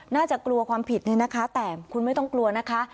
น่าจะกลัวความผิดเนี่ยนะคะแต่คุณไม่ต้องกลัวนะคะ